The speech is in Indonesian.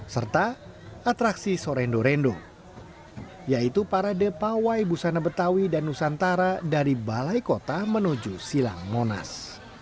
serta atraksi sorendo rendo yaitu parade pawai busana betawi dan nusantara dari balai kota menuju silang monas